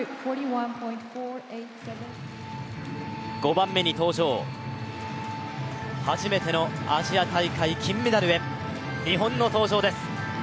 ５番目に登場、初めてのアジア大会金メダルへ、日本の登場です。